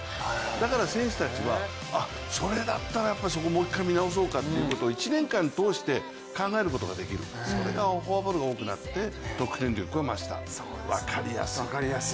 だから選手たちは、あっそれだったらそこをもう一回見直そうかっていうことを１年間通して考えることができるそれがフォアボールが多くなって得点力が増した、分かりやすい。